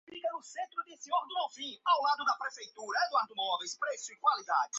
Àquela altura, ninguém podia ver nada